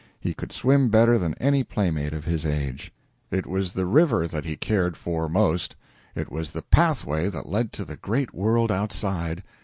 He could swim better than any playmate of his age. It was the river that he cared for most. It was the pathway that led to the great world outside.